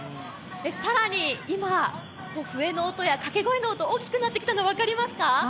更に、今、笛の音やかけ声の音大きくなってきたの分かりますか？